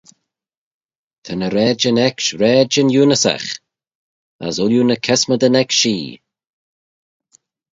Ta ny raaidyn ecksh raaidyn eunyssagh as ooilley ny kesmadyn eck shee.